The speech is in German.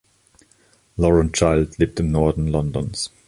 Lauren Child lebt im Norden Londons.